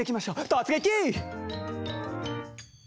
突撃！